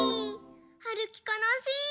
はるきかなしい。